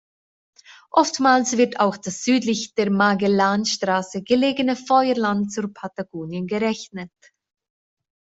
Oftmals wird auch das südlich der Magellanstraße gelegene Feuerland zu Patagonien gerechnet.